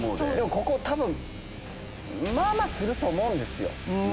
ここ多分まぁまぁすると思うんですよ。